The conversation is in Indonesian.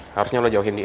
harusnya lo jauhin dia